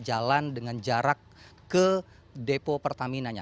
jalan dengan jarak ke depo pertamina nya